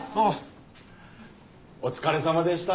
お疲れさまでした。